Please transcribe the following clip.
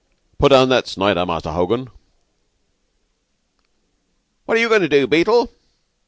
Put down that Snider, Muster Hogan!" "What are you goin' to do, Beetle?"